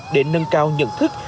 để nâng cao nhận thức